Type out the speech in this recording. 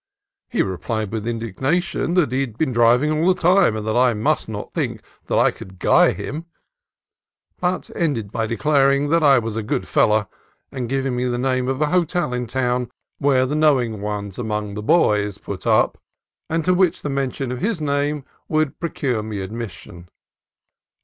He replied with indignation that he had been driving all the time, and that I must not think that I could "guy" him: but ended by declaring that I was "a good feller," and giving me the name of a hotel in town where the knowing ones among VENTURA 77 " the boys " put up, and to which the mention of his name would procure me admission.